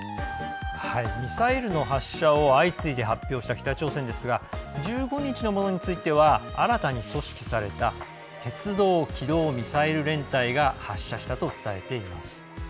ミサイルの発射を相次いで発表した北朝鮮ですが１５日のものについては新たに組織された鉄道機動ミサイル連隊が発射したと伝えています。